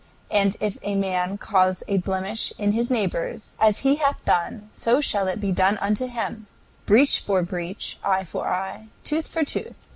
And if a man cause a blemish in his neighbor, as he hath done, so shall it be done unto him: breach for breach, eye for eye, tooth for tooth."